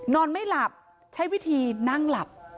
นอนไม่หลับใช้วิธีนั่งหลับ